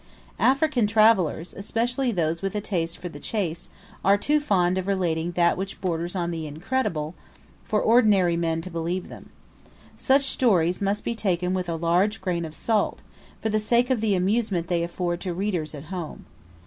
African travellers especially those with a taste for the chase are too fond of relating that which borders on the incredible for ordinary men to believe them. Such stories must be taken with a large grain of salt, for the sake of the amusement they afford to readers at home.